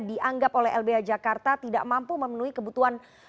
dianggap oleh lbh jakarta tidak mampu memenuhi kebutuhan